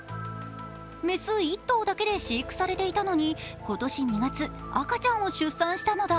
雌１頭だけで飼育されていたのに今年２月、赤ちゃんを出産したのだ。